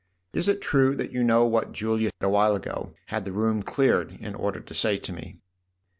" Is it true that you know what Julia a while ago had the room cleared in order to say to me